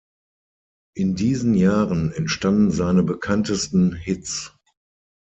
In diesen Jahren entstanden seine bekanntesten Hits.